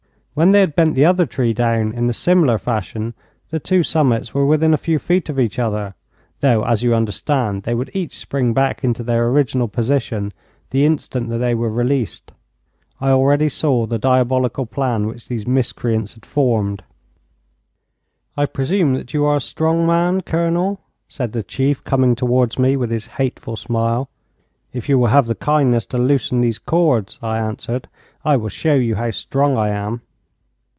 When they had bent the other tree down in a similar fashion, the two summits were within a few feet of each other, though, as you understand, they would each spring back into their original position the instant that they were released. I already saw the diabolical plan which these miscreants had formed. 'I presume that you are a strong man, Colonel,' said the chief, coming towards me with his hateful smile. 'If you will have the kindness to loosen these cords,' I answered, 'I will show you how strong I am.'